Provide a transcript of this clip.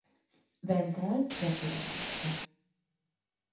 Vencel cseh királyt.